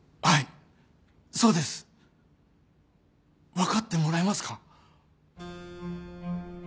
分かってもらえますか？